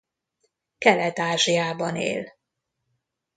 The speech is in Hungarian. Kelet-Ázsiában él.